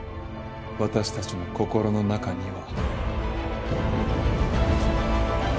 私たちの心の中には。